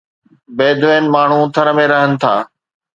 بيدوين ماڻهو ٿر ۾ رهن ٿا.